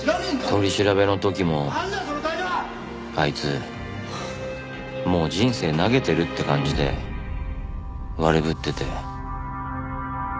取り調べの時もあいつもう人生投げてるって感じで悪ぶってて。